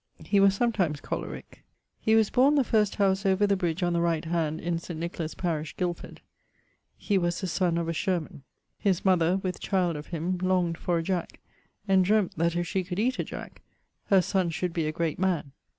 He was sometimes cholerique. He was borne the first howse over the bridge on the right hand in St. Nicholas parish . He was the sonne of a sherman. His mother, with child of him, longed for a jack, and dream't that if shee could eate a jack, her son should be a great man.